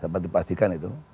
sampai dipastikan itu